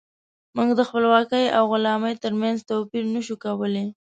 موږ د خپلواکۍ او غلامۍ ترمنځ توپير نشو کولی.